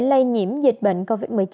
lây nhiễm dịch bệnh covid một mươi chín